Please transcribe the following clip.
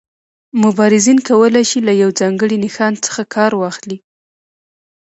مبارزین کولای شي له یو ځانګړي نښان څخه کار واخلي.